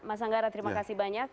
mas anggara terima kasih banyak